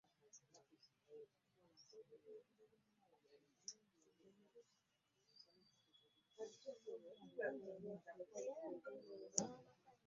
Ebisu ebimu bibeera ku ttaka.